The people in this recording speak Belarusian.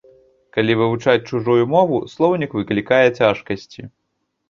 Калі вывучаюць чужую мову, слоўнік выклікае цяжкасці.